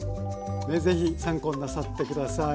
是非参考になさって下さい。